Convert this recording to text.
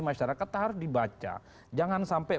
masyarakat harus dibaca jangan sampai